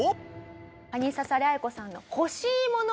カニササレアヤコさんの欲しいもの